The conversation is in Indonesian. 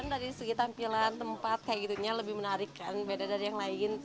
dari segi tampilan tempat kayak gitunya lebih menarik kan beda dari yang lain